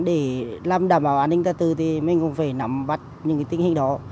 để làm đảm bảo an ninh trật tự thì mình không phải nắm bắt những tình hình đó